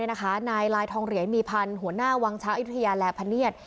นายลายทองเหรียญมีพันธ์หัวหน้าวังช้างอยุธยาและพเนียด